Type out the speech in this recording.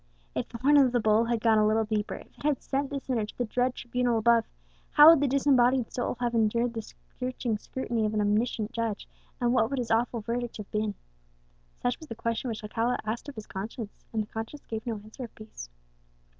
If the horn of the bull had gone a little deeper, if it had sent the sinner to the dread tribunal above, how would the disembodied soul have endured the searching scrutiny of an Omniscient Judge, and what would His awful verdict have been? Such was the question which Alcala asked of his conscience, and conscience gave no answer of peace.